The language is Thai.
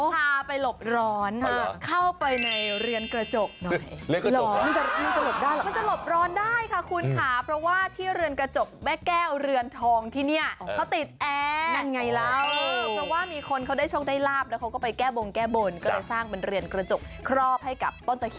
ที่ฉันบอกแล้วว่าทำไมถึงกันครับ